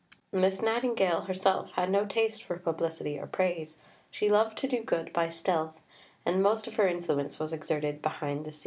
Miss Nightingale herself had no taste for publicity or praise. She loved to do good by stealth, and most of her influence was exerted behind the scenes.